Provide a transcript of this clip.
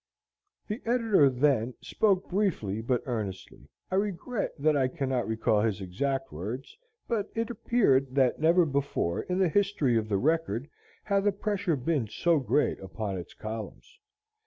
The editor then spoke briefly but earnestly. I regret that I cannot recall his exact words, but it appeared that never before, in the history of the "Record," had the pressure been so great upon its columns.